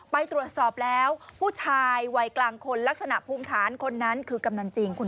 ไปตรวจสอบแล้วผู้ชายวัยกลางคนลักษณะภูมิฐานคนนั้นคือกำนันจริง